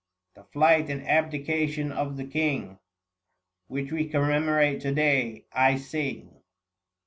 The flight and abdication of the king, Which we commemorate to day, I sing.